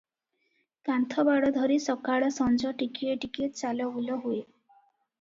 କାନ୍ଥବାଡ଼ ଧରି ସକାଳ ସଞ୍ଜ ଟିକିଏ ଟିକିଏ ଚାଲବୁଲ ହୁଏ ।